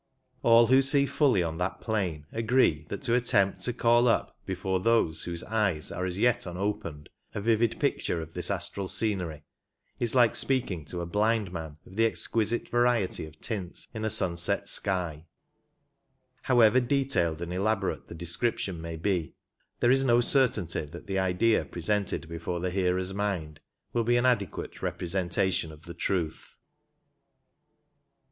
All who see fully on that plane agree that to attempt to call up before those whose eyes are as yet unopened a vivid picture of this astral scenery is like speaking to a blind man of the exquisite variety of tints in a sunset sky — however detailed and elaborate the description may be, there is no certainty that the idea presented before the hearer's mind will be an adequate representation of the truth.